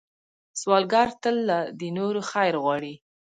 سوالګر تل د نورو خیر غواړي